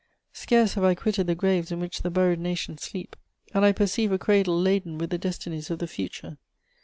Scarce have I quitted the graves in which the buried nations sleep, and I perceive a cradle laden with the destinies of the future.